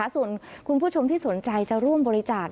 ส่วนคุณผู้ชมที่สนใจจะร่วมบริจาค